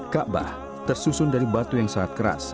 kaabah tersusun dari batu yang sangat keras